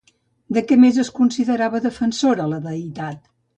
De què més es considerava defensora la deïtat?